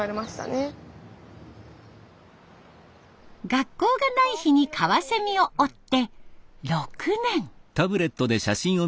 学校がない日にカワセミを追って６年。